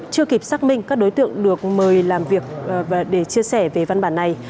chưa kịp xác minh các đối tượng được mời làm việc để chia sẻ về văn bản này